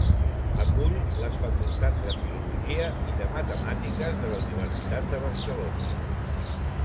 Acull les facultats de Filologia i de Matemàtiques de la Universitat de Barcelona.